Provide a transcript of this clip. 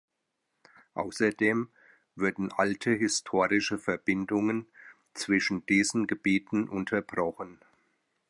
Außerdem würden alte historische Verbindungen zwischen diesen Gebieten unterbrochen.